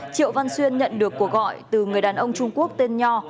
triệu văn xuyên nhận được cuộc gọi từ người đàn ông trung quốc tên nho